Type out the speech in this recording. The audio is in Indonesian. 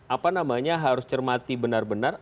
apa namanya harus cermati benar benar